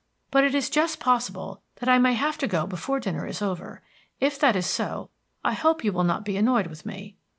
But it is just possible that I may have to go before dinner is over. If that is so, I hope you will not be annoyed with me."